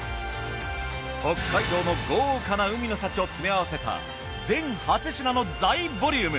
北海道の豪華な海の幸を詰め合わせた全８品の大ボリューム。